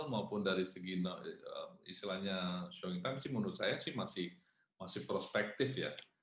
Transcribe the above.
maupun dari segi istilahnya sharing time sih menurut saya sih masih prospektif ya